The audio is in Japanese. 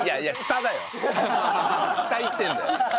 下いってんだよ！